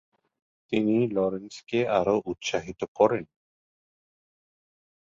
তিনি লরেন্সকে আরো উৎসাহিত করেন।